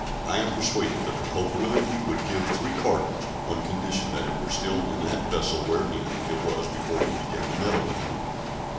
I am persuaded that the Pope willingly would give three Cardinals, on condition that it were still in that vessel wherein it was before he began to meddle with me.